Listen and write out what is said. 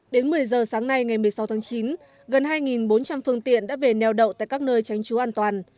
đến một mươi giờ sáng nay ngày một mươi sáu tháng chín gần hai bốn trăm linh phương tiện đã về neo đậu tại các nơi tránh trú an toàn